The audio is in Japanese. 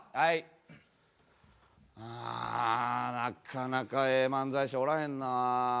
あなかなかええ漫才師おらへんな。